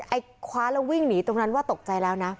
ไอ้คว้าแล้ววิ่งหนีตรงนั้นว่าตกใจแล้วนะ